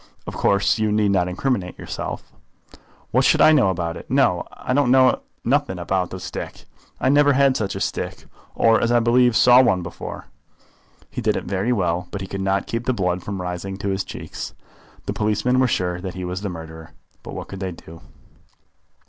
"Of course you need not criminate yourself." "What should I know about it? No; I know nothing about the stick. I never had such a stick, or, as I believe, saw one before." He did it very well, but he could not keep the blood from rising to his cheeks. The policemen were sure that he was the murderer, but what could they do?